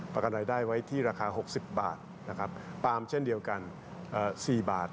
ประกันรายได้ไว้ที่ราคา๖๐บาทนะครับปาล์มเช่นเดียวกัน๔บาท